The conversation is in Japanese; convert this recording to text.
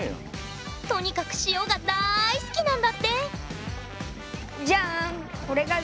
とにかく「塩」がだい好きなんだって。